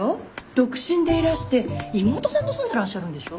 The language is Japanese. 独身でいらして妹さんと住んでらっしゃるんでしょ。